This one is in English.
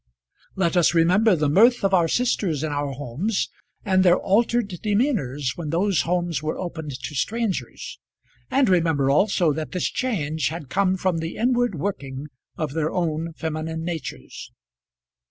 Let us remember the mirth of our sisters in our homes, and their altered demeanours when those homes were opened to strangers; and remember also that this change had come from the inward working of their own feminine natures!